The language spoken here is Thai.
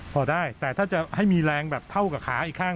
พอได้แต่ถ้าจะให้มีแรงแบบเท่ากับขาอีกข้าง